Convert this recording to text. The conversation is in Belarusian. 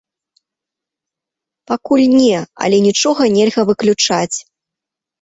Пакуль не, але нічога нельга выключаць.